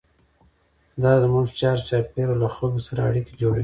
دا زموږ چارچاپېره له خلکو سره اړیکې جوړوي.